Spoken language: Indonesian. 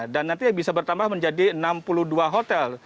dan nanti bisa bertambah menjadi enam puluh dua hotel